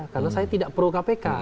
karena saya tidak pro kpk